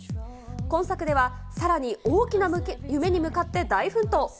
今作では、さらに大きな夢に向かって大奮闘。